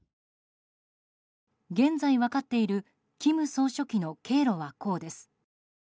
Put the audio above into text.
現在分かっている金総書記の経路はこうです。